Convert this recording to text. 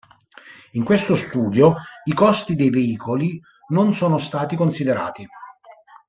In questo studio i costi dei veicoli non sono stati considerati.